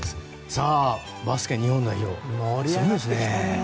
さあ、バスケ日本代表すごいですね。